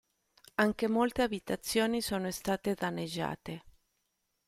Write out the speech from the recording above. Anche molte abitazioni sono state danneggiate.